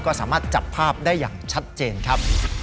ก็สามารถจับภาพได้อย่างชัดเจนครับ